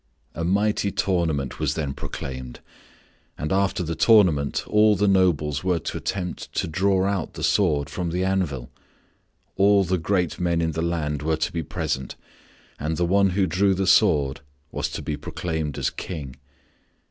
A mighty tournament was then proclaimed, and after the tournament all the nobles were to attempt to draw out the sword from the anvil. All the great men in the land were to be present and the one who drew the sword was to be proclaimed as King.